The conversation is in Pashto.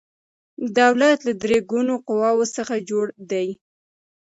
دولت له درې ګونو قواو څخه جوړ دی